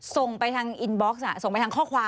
ส่งไปทางอินบ็อกซ์ส่งไปทางข้อความ